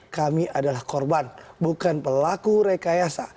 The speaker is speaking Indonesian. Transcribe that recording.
kami adalah korban bukan pelaku rekayasa